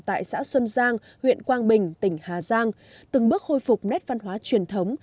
tại xã xuân giang huyện quang bình tỉnh hà giang từng bước khôi phục nét văn hóa truyền thống